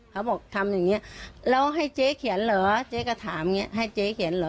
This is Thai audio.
เขาบอกทำอย่างนี้แล้วให้เจ๊เขียนเหรอเจ๊ก็ถามอย่างนี้ให้เจ๊เขียนเหรอ